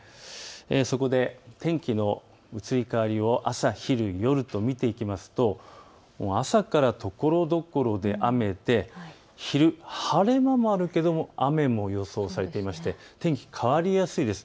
そこで天気の移り変わりを朝、昼、夜と見ていきますと朝からところどころで雨で昼、晴れ間もあるけれども雨も予想されていまして天気、変わりやすいです。